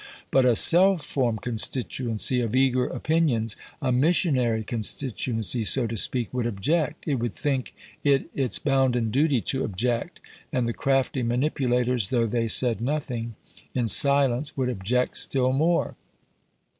But a self formed constituency of eager opinions, a missionary constituency, so to speak, would object; it would think it its bounden duty to object; and the crafty manipulators, though they said nothing, in silence would object still more.